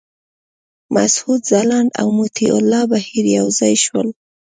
مسعود ځلاند او مطیع الله بهیر یو ځای شول.